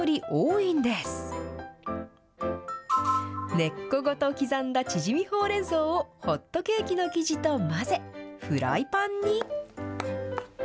根っこごと刻んだちぢみほうれんそうをホットケーキの生地と混ぜ、フライパンに。